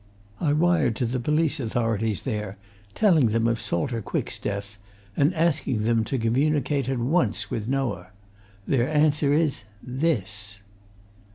I wired to the police authorities there, telling them of Salter Quick's death and asking them to communicate at once with Noah. Their answer is this!"